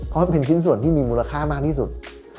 เพราะเป็นชิ้นส่วนที่มีมูลค่ามากที่สุด